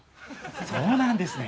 そうなんですね。